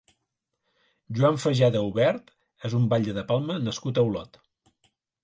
Joan Fageda Aubert és un batlle de Palma nascut a Olot.